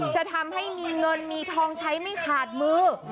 จะทำให้มีเงินมีทองใช้ไม่ขาดมือ